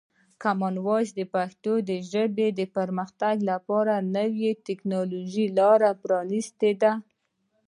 کامن وایس د پښتو ژبې د پرمختګ لپاره د نوي ټکنالوژۍ لاره پرانیستې ده.